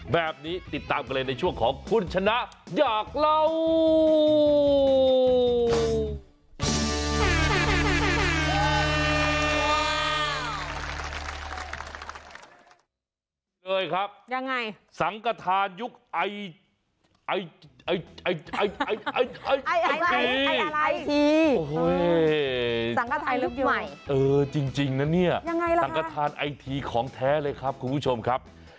แบบนี้ติดตามกันเลยในช่วงของคุณชนะอยากเล่า